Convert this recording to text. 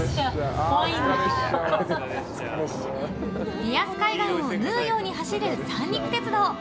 リアス海岸を縫うように走る三陸鉄道。